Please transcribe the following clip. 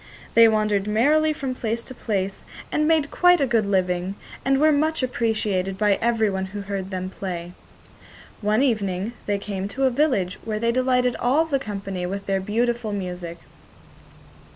They wandered merrily from place to place and made quite a good living, and were much appreciated by everyone who heard them play. One evening they came to a village where they delighted all the company with their beautiful music.